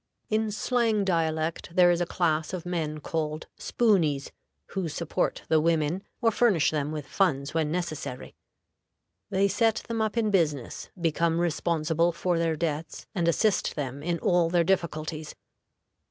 In slang dialect, there is a class of men called "spooneys," who support the women, or furnish them with funds when necessary. They set them up in business, become responsible for their debts, and assist them in all their difficulties.